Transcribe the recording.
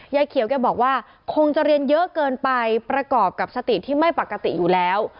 ยายเขียวแกบอกว่าคงจะเรียนเยอะเกินไปประกอบกับสติที่ไม่ปกติอยู่แล้ว